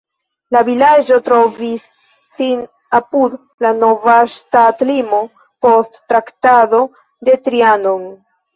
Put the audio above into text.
La vilaĝo trovis sin apud la nova ŝtatlimo post Traktato de Trianon.